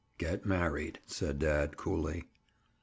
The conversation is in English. "Get married," said dad coolly.